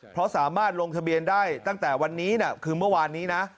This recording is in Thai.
เพราะสามารถลงทะเบียนได้ตั้งแต่วันนี้คือเมื่อวานนี้นะ